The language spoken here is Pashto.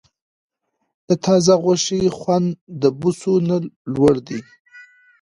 د تازه غوښې خوند د بوسو نه لوړ دی.